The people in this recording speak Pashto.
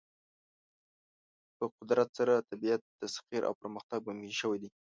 په قدرت سره طبیعت تسخیر او پرمختګ ممکن شوی دی.